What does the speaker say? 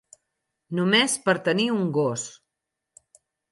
Només per tenir un gos.